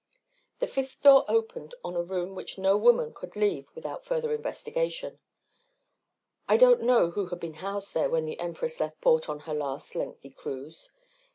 The fifth door opened on a room which no woman could leave without further investigation. I don't know who had been housed there when the Empress left port on her last lengthy cruise.